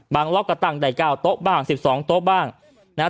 ล็อกก็ตั้งได้เก้าโต๊ะบ้าง๑๒โต๊ะบ้างนะฮะ